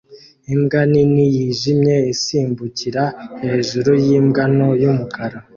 Imbwa nini yijimye isimbukira hejuru yimbwa nto y'umukara